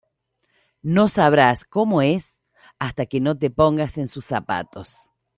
No sabrás como es hasta que no te pongas en sus zapatos